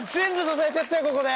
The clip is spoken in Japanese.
ここで。